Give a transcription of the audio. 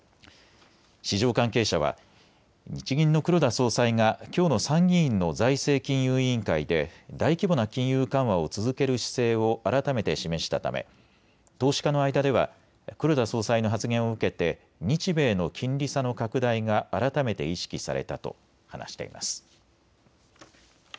市場関係者は日銀の黒田総裁がきょうの参議院の財政金融委員会で大規模な金融緩和を続ける姿勢を改めて示したため投資家の間では黒田総裁の発言を受けて日米の金利差の拡大が改めて意識されたと話しています。